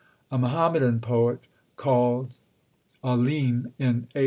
A Muhammadan poet called Alim in A.